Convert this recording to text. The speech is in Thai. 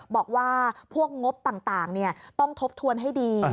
บอกว่าพวกงบต่างต้องทบทวนให้ดี